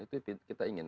itu kita ingin